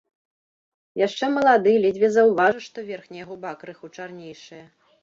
Яшчэ малады, ледзьве заўважыш, што верхняя губа крыху чарнейшая.